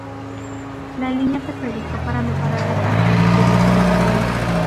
La línea se proyectó para mejorar el transporte público Badalona.